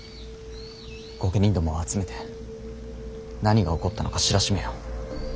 御家人どもを集めて何が起こったのか知らしめよ。